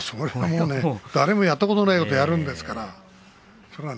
誰もやったことのないことをやるんだからね。